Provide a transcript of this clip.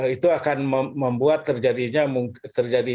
itu akan membuat terjadinya